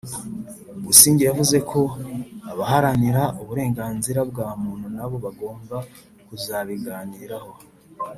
Busingye yavuze ko abaharanira uburenganzira bwa muntu nabo bagomba kuzabiganiraho